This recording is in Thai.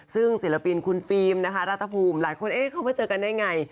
ซึ่งศิลปินคุณฟิล์มนะคะรัฐภูมิหลายคนเอ๊ะเขามาเจอกันได้ไง